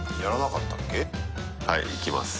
はいいきます。